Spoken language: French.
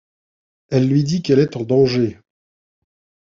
Elle lui dit qu'elle est en danger.